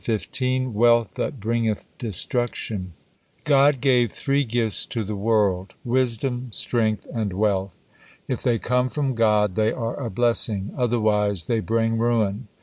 WEALTH THAT BRINGETH DESTRUCTION God gave three gifts to the world, wisdom, strength and wealth. If they come from God, they are a blessing, otherwise they bring ruin.